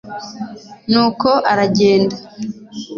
nuko aragenda